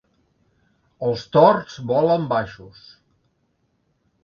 Els tords volen baixos.